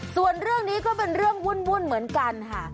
ส่วนเรื่องนี้ก็เป็นเรื่องวุ่นเหมือนกันค่ะ